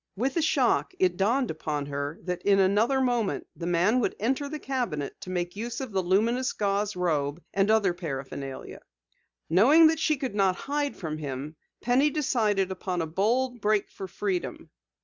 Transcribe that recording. With a shock it dawned upon her that in another moment the man would enter the cabinet to make use of the luminous gauze robe and other paraphernalia. Knowing that she could not hide from him, Penny decided upon a bold break for freedom.